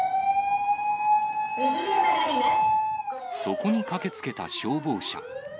そこに駆けつけた消防車。